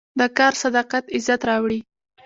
د کار صداقت عزت راوړي.